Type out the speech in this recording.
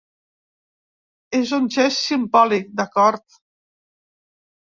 És un gest simbòlic, d’acord.